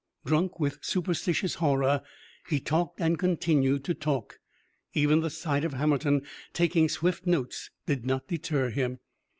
Drunk with superstitious horror, he talked and continued to talk. Even the sight of Hammerton taking swift notes did not deter him.